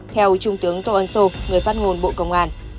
theo trung tướng tô ân sô người phát ngôn bộ công an